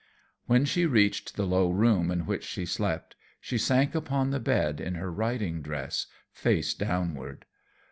When she reached the low room in which she slept, she sank upon the bed in her riding dress face downward.